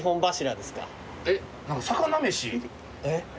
えっ何か魚飯？えっ？